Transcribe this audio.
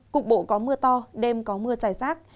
cục bộ có mưa to đêm có mưa dài rác